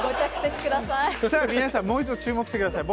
皆さん、もう一度注目してください。